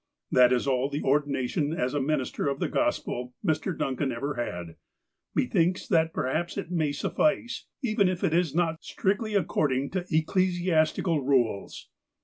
That is all the ordination as a minister of the Gospel Mr. Duncan ever had. Methinks that perhaps it may suffice, even if it is not strictly according to ecclesiastical rules.